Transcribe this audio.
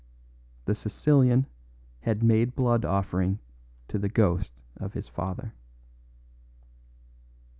The Sicilian had made blood offering to the ghost of his father.